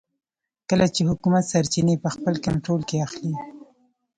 کله چې حکومت سرچینې په خپل کنټرول کې اخلي.